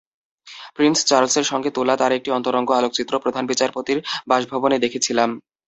Prince চার্লসের সঙ্গে তোলা তাঁর একটি অন্তরঙ্গ আলোকচিত্র প্রধান বিচারপতির বাসভবনে দেখেছিলাম।